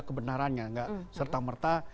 kebenarannya enggak serta merta